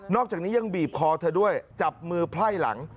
อกจากนี้ยังบีบคอเธอด้วยจับมือไพ่หลัง